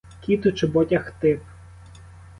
Кіт у чоботях — тип.